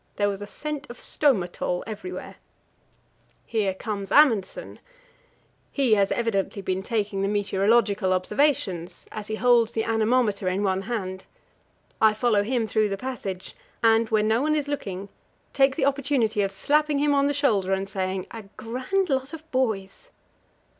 There was a scent of Stomatol everywhere. Here comes Amundsen. He has evidently been out taking the meteorological observations, as he holds the anemometer in one hand. I follow him through the passage, and, when no one is looking, take the opportunity of slapping him on the shoulder and saying "A grand lot of boys."